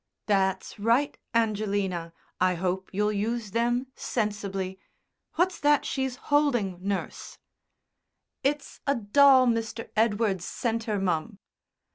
"That's right, Angelina. I hope you'll use them sensibly. What's that she's holding, nurse?" "It's a doll Mr. Edward's sent her, mum."